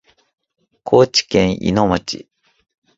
高知県いの町